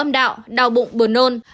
đau bụng buồn nôn